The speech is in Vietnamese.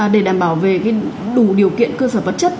để đảm bảo về đủ điều kiện cơ sở vật chất